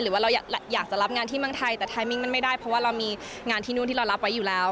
หรือว่าเราอยากจะรับงานที่เมืองไทยแต่ไทยมิ้งมันไม่ได้เพราะว่าเรามีงานที่นู่นที่เรารับไว้อยู่แล้ว